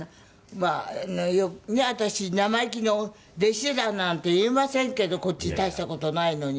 まあ私生意気に弟子だなんて言えませんけどこっち大した事ないのに。